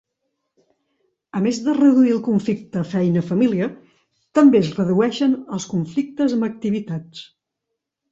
A més de reduir el conflicte feina-família, també es redueixen els conflictes amb activitats.